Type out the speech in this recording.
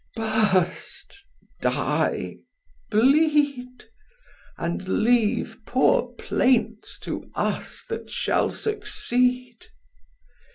Burst, die, bleed, And leave poor plaints to us that shall succeed.